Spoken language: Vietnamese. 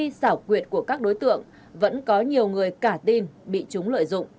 khi xảo quyệt của các đối tượng vẫn có nhiều người cả tin bị chúng lợi dụng